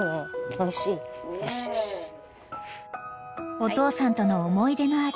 ［お父さんとの思い出の味］